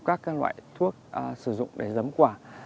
là rất nhiều các loại thuốc sử dụng để giấm quả